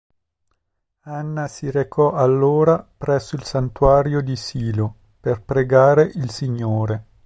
Anna si recò allora presso il santuario di Silo per pregare il Signore.